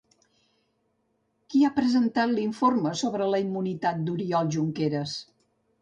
Qui ha presentat l'informe sobre la immunitat d'Oriol Junqueras?